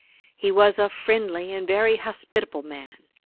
He was a friendly and very hospitable man.